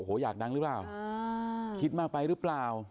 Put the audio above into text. โอ้โหอยากดังหรือเปล่าคิดมากไปหรือเปล่า